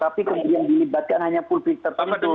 tapi kemudian dilibatkan hanya publik tertentu